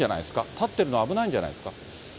立ってるの危ないんじゃないですか。